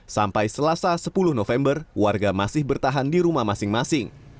sampai selasa sepuluh november warga masih bertahan di rumah masing masing